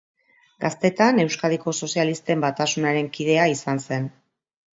Gaztetan Euskadiko Sozialisten Batasunaren kidea izan zen.